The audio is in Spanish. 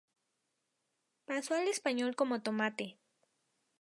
Pasó al español como tomate.